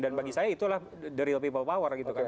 dan bagi saya itulah the real people power gitu kan